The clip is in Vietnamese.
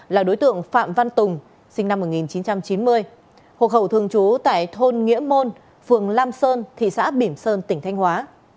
là đối tượng phạm văn tùng sinh năm một nghìn chín trăm chín mươi hộ khẩu thường trú tại thôn nghĩa môn phường lam sơn thị xã bỉm sơn tỉnh thanh hóa